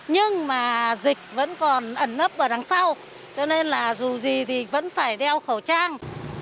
nhưng mà dịch vẫn còn ẩn nấp ở đằng sau cho nên là dù gì thì vẫn phải đeo khẩu trang